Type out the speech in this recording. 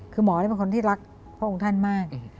คือหมอเป็นคนที่รักพระองค์ท่านมาก